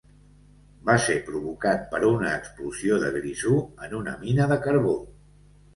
Va ser provocat per una explosió de grisú en una mina de carbó.